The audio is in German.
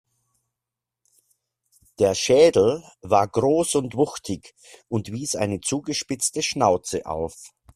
Der Schädel war groß und wuchtig und wies eine zugespitzte Schnauze auf.